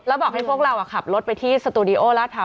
แล้วบอกให้พวกเราขับรถไปที่สตูดิโอลาดพร้า